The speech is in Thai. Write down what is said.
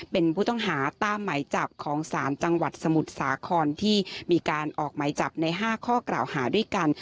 เป็นผู้ต้องหาตามหมายจับของศาลจังหวัดสมุทรสาครที่มีการออกหมายจับใน๕ข้อกล่าวหาด้วยกัน